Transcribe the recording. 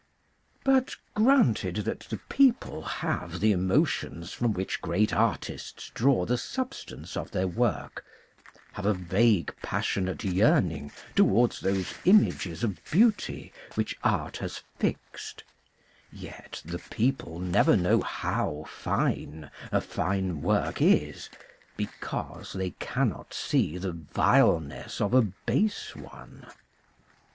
But granted that the people have the emotions from which great artists draw the substance of their work, have a vague passionate yearning towards those images of beauty which art has fixed, yet the people never know how fine a fine work is, because they cannot see the vileness of a base one.